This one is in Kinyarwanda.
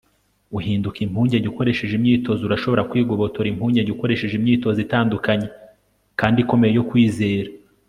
uhinduka impungenge ukoresheje imyitozo. urashobora kwigobotora impungenge ukoresheje imyitozo itandukanye kandi ikomeye yo kwizera